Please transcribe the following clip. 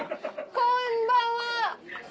こんばんは。